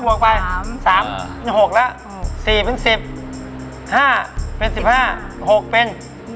บวกไป๓๖แล้ว๔๑๐